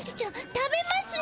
食べますね。